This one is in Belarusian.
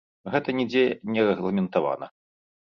Гэта нідзе не рэгламентавана.